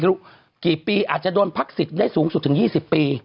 คนไม่รู้กี่ปีอาจจะโดนพักสิทธิ์ได้สูงสุดถึงยี่สิบปี